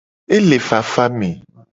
E le ngtifafa me.